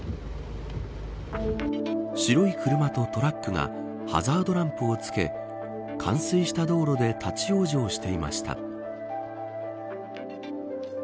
白い車とトラックがハザードランプをつけ冠水した道路で立ち往生していました。